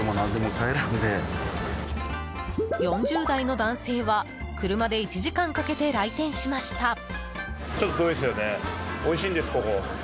４０代の男性は車で１時間かけて来店しました。